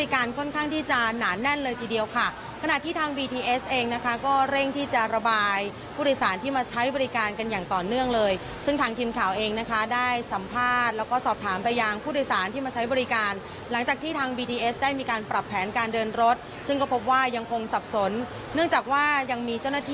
กรุณหลังผ่านเทียมแรงแรงที่ซัดถึงมี